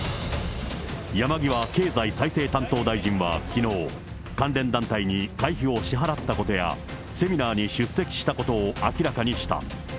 山際経済再生担当大臣はきのう、関連団体に会費を支払ったことや、セミナーに出席したことを明らかにした。